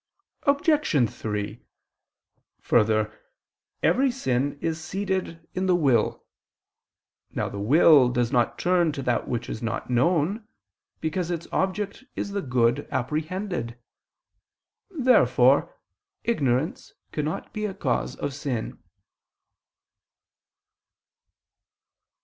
Obj. 3: Further, every sin is seated in the will. Now the will does not turn to that which is not known, because its object is the good apprehended. Therefore ignorance cannot be a cause of sin.